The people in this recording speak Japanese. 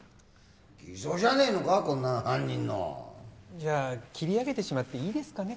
偽造じゃねえのかこんなん犯人のじゃあ切り上げてしまっていいですかね